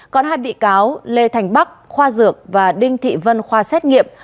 còn hai bị cáo lê thành bắc khoa dược và đinh thị vân khoa xét nghiệm